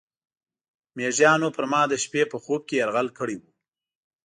میږیانو پر ما د شپې په خوب کې یرغل کړی و.